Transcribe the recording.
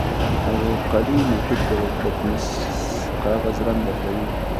القلي محیط د لتمس کاغذ رنګ بدلوي.